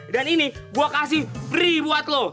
dan ini gue kasih free buat lo